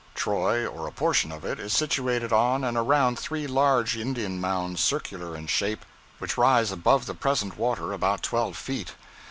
Troy, or a portion of it, is situated on and around three large Indian mounds, circular in shape, which rise above the present water about twelve feet.